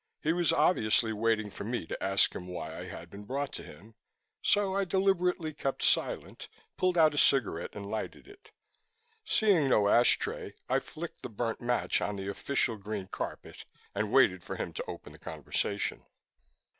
He was obviously waiting for me to ask him why I had been brought to him so I deliberately kept silent, pulled out a cigarette and lighted it. Seeing no ash tray, I flicked the burnt match on the official green carpet and waited for him to open the conversation.